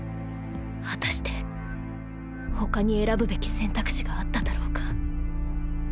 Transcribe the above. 果たして他に選ぶべき選択肢があっただろうか。